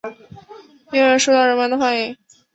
因而受到人们的欢迎。